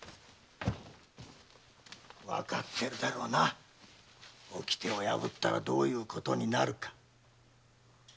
わかってるだろうな掟を破ったらどういうことになるか。